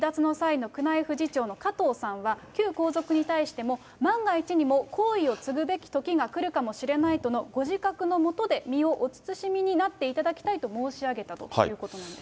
旧皇族の皇籍離脱の際の宮内府次長の加藤さんは旧皇族に対しても、万が一にも行為を継ぐべき時が来るかもしれないとのご自覚の下で身をお慎みになっていただきたいと申し上げたということなんです。